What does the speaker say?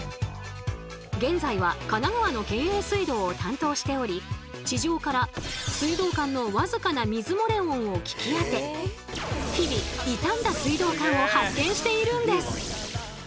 現在は神奈川の県営水道を担当しており地上から水道管の僅かな水漏れ音を聞きあて日々傷んだ水道管を発見しているんです。